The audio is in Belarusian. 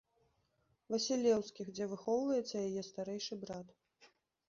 Васілеўскіх, дзе выхоўваецца яе старэйшы брат.